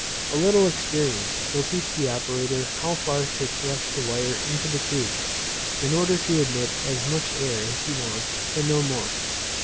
A little experience will teach the operator how far to thrust the wire into the tube, in order to admit as much air as he wants and no more.